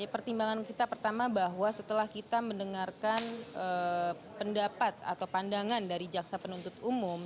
pertimbangan kita pertama bahwa setelah kita mendengarkan pendapat atau pandangan dari jaksa penuntut umum